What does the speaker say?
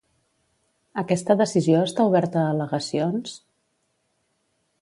Aquesta decisió està oberta a al·legacions?